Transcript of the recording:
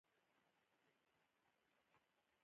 جنرال راسګونوف ته وکړه.